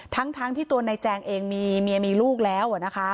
ทั้งที่ตัวนายแจงเองมีเมียมีลูกแล้ว